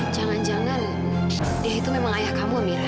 jangan jangan dia itu memang ayah kamu nih